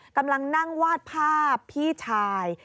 กำลังนั่งวาดภาพพี่ชาย